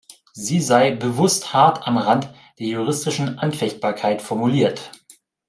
Sie sei „bewusst hart am Rand der juristischen Anfechtbarkeit formuliert“.